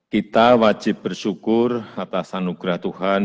kita wajib bersyukur atas anugerah tuhan